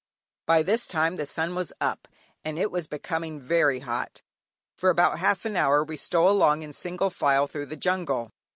By this time the sun was up, and it was becoming very hot. For about half an hour we stole along in single file through the jungle.